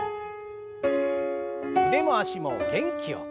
腕も脚も元気よく。